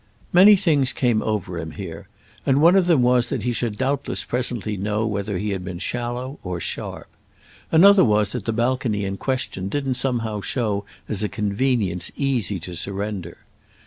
Many things came over him here, and one of them was that he should doubtless presently know whether he had been shallow or sharp. Another was that the balcony in question didn't somehow show as a convenience easy to surrender.